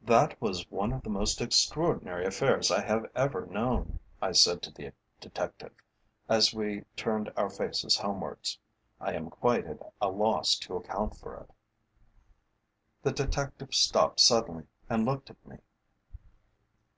"That was one of the most extraordinary affairs I have ever known," I said to the detective, as we turned our faces homewards. "I am quite at a loss to account for it." The detective stopped suddenly and looked at me.